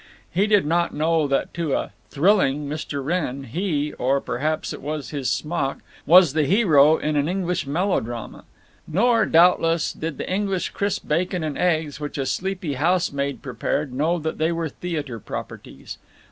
He did not know that to a "thrilling" Mr. Wrenn he—or perhaps it was his smock—was the hero in an English melodrama. Nor, doubtless, did the English crisp bacon and eggs which a sleepy housemaid prepared know that they were theater properties.